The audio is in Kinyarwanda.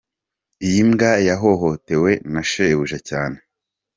Iyi mbwa yahohotewe na shebuja cyane.